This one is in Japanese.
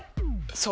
そう。